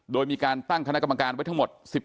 โดยมีการตั้งคณะกรรมการไว้ทั้งหมด